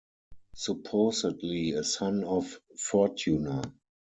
Supposedly a son of Fortuna.